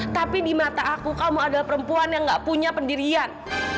tapi di mata aku kamu adalah perempuan yang gak punya pendirian